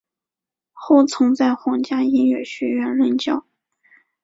后曾在皇家音乐学院任教。